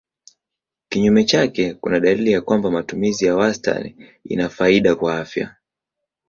Kinyume chake kuna dalili ya kwamba matumizi ya wastani ina faida kwa afya.